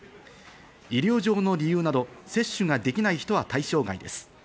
医療上の理由など接種ができない人は対象外です。